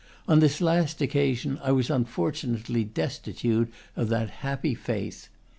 On this last occasion I was un fortunately destitute of that happy faith.